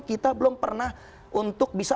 kita belum pernah untuk bisa